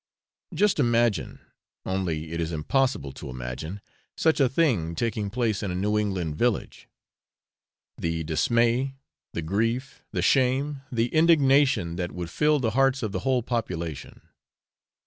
Just imagine only it is impossible to imagine such a thing taking place in a New England village; the dismay, the grief, the shame, the indignation, that would fill the hearts of the whole population.